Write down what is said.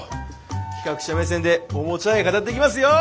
企画者目線でおもちゃ愛語っていきますよ！